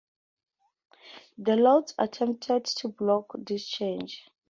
The Lords attempted to block this change.